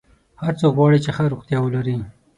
هر څوک غواړي چې ښه روغتیا ولري.